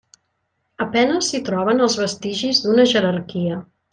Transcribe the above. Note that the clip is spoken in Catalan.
A penes s'hi troben els vestigis d'una jerarquia.